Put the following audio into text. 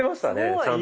ちゃんと。